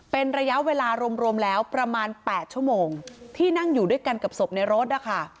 เป็นระยะเวลารวมแล้วประมาณ๘ชั่วโมงที่นั่งอยู่ด้วยกันกับศพในรถนะคะ